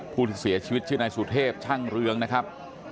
ผู้ที่เสียชีวิตชื่อนายสุเทพช่างเรืองนะครับ